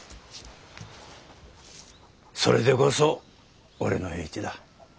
それでこそ俺の栄一だ。